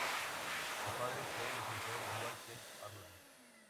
Su padre fue el escritor Walter Harlan.